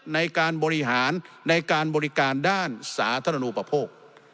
ในการบริหารในการบริการด้านสาธารณูปโภค